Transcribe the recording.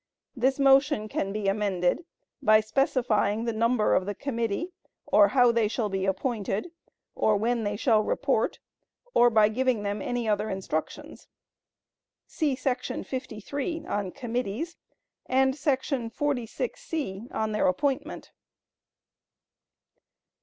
This motion can be amended by specifying the number of the committee, or how they shall be appointed, or when they shall report, or by giving them any other instructions. [See § 53 on committees, and § 46 (c) on their appointment.